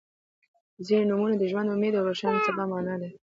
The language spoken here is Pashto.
• ځینې نومونه د ژوند، امید او روښانه سبا معنا لري.